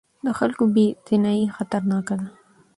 د خلکو بې اعتنايي خطرناکه ده